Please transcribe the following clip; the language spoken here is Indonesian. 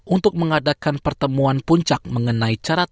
untuk mengadakan pertemuan puncak mengenai suara tersebut